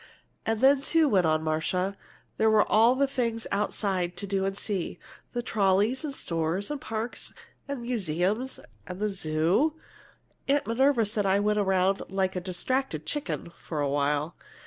"And then, too," went on Marcia, "there were all the things outside to do and see the trolleys and stores and parks and museums and the zoo! Aunt Minerva said I went around 'like a distracted chicken' for a while!